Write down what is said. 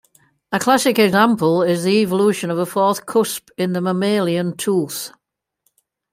A classic example is the evolution of a fourth cusp in the mammalian tooth.